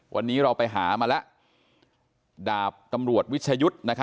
วันนี้เราไปหามาแล้วดาบตำรวจวิชยุทธ์